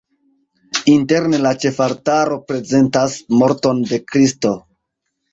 Interne la ĉefaltaro prezentas morton de Kristo.